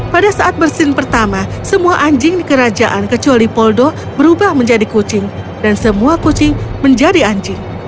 pada saat bersin pertama semua anjing di kerajaan kecuali poldo berubah menjadi kucing dan semua kucing menjadi anjing